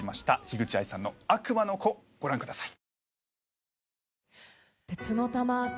ヒグチアイさんの『悪魔の子』ご覧ください。